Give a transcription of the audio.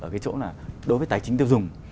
ở cái chỗ là đối với tài chính tiêu dùng